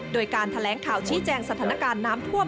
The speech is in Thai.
โดยการแถลงข่าวชี้แจงสถานการณ์น้ำท่วม